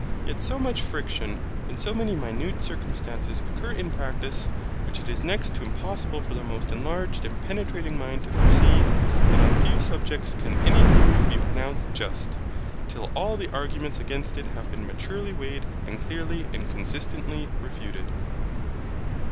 Yet so much friction, and so many minute circumstances occur in practice, which it is next to impossible for the most enlarged and penetrating mind to foresee, that on few subjects can any theory be pronounced just, till all the arguments against it have been maturely weighed and clearly and consistently refuted.